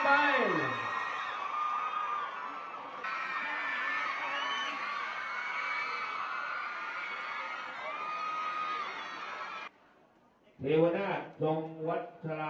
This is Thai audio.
โปรดติดตามต่อไป